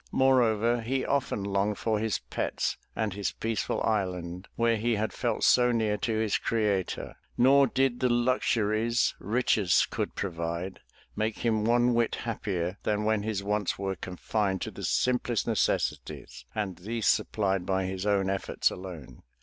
Moreover he often longed for his pets and his peaceful island where he had felt so near to his Creator, nor did the luxuries riches could provide make him one whit happier than when his wants were confined to the simplest necessities and these supplied by his own efforts alone.